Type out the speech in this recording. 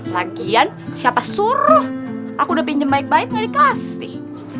lagian siapa suruh aku udah pinjem baik baik gak dikasih